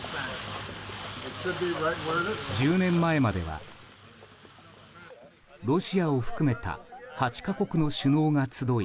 １０年前まではロシアを含めた８か国の首脳が集い